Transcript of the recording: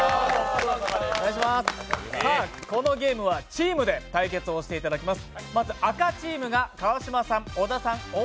さあ、このゲームはチームで対決をしていただきます。